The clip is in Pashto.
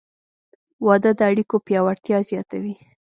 • واده د اړیکو پیاوړتیا زیاتوي.